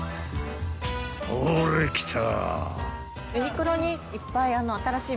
［ほれ来た］